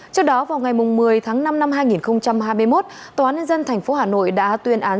trước đó vào ngày một mươi tháng năm năm hai nghìn hai mươi một tòa án nhân dân tp hà nội đã tuyên án